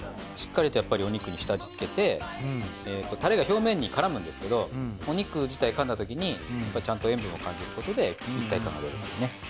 しっかりとやっぱりお肉に下味つけてタレが表面に絡むんですけどお肉自体かんだときにやっぱりちゃんと塩分を感じることで一体感が出るっていうね。